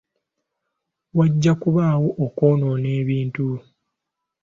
Wajja kubaawo okwonoona ebintu.